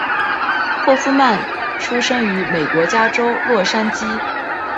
霍夫曼出生于美国加州洛杉矶。